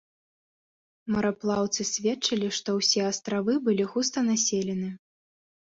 Мараплаўцы сведчылі, што ўсе астравы былі густа населены.